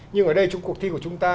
nhưng ở đây trong cuộc thi của chúng ta